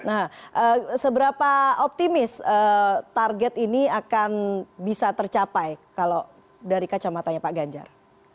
nah seberapa optimis target ini akan bisa tercapai kalau dari kacamatanya pak ganjar